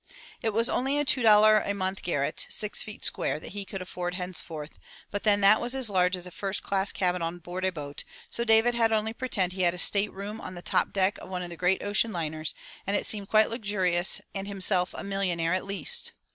It was only a two dollar a month garret, six feet square, that he could afford henceforth, but then that was as large as a first class cabin on board a boat, so David had only to pretend he had 203 MY BOOK HOUSE a state room on the top deck of one of the great ocean liners, and it seemed quite luxurious and himself a millionaire at least!